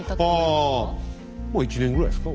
まあ１年ぐらいですか？